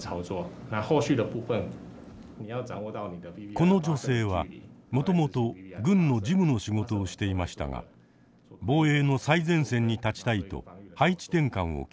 この女性はもともと軍の事務の仕事をしていましたが防衛の最前線に立ちたいと配置転換を希望。